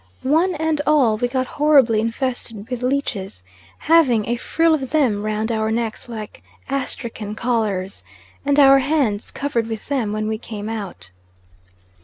One and all, we got horribly infested with leeches, having a frill of them round our necks like astrachan collars, and our hands covered with them, when we came out.